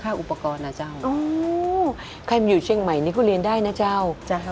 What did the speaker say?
กรูผู้สืบสารล้านนารุ่นแรกแรกรุ่นเลยนะครับผม